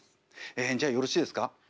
ええじゃよろしいですか？